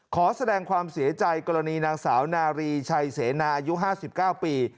ขอแสดงความเสียใจกรณีนางสาวนารีชัยเสนาอายุ๕๙ปี